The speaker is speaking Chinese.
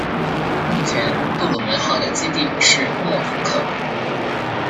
目前杜鲁门号的基地是诺福克。